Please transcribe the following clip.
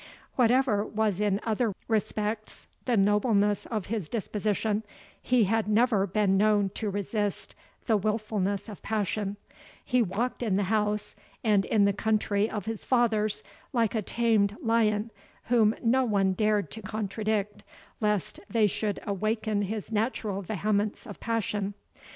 Whatever was in other respects the nobleness of his disposition, he had never been known to resist the wilfulness of passion, he walked in the house, and in the country of his fathers, like a tamed lion, whom no one dared to contradict, lest they should awaken his natural vehemence of passion.